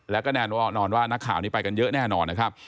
แล้วก็แน่นอนว่านักข่าวนี้ไปกันเยอะแน่นอนนะครับ